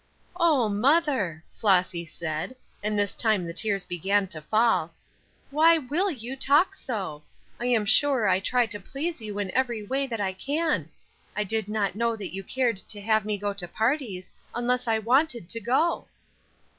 "Oh, mother!" Flossy said, and this time the tears began to fall, "why will you talk so? I am sure I try to please you in every way that I can. I did not know that you cared to have me go to parties, unless I wanted to go."